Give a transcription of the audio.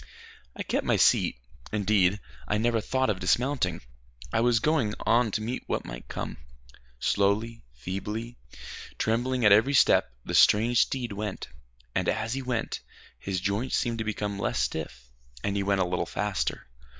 I kept my seat. Indeed, I never thought of dismounting. I was going on to meet what might come. Slowly, feebly, trembling at every step, the strange steed went, and as he went his joints seemed to become less stiff, and he went a little faster.